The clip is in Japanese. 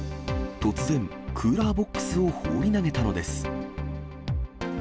突然、クーラーボックスを放り投げたのです。